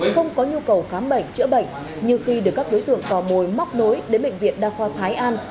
không có nhu cầu khám bệnh chữa bệnh như khi được các đối tượng tò mồi móc nối đến bệnh viện đa khoa thái an